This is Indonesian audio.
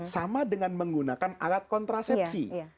sama dengan menggunakan alat kontrasepsi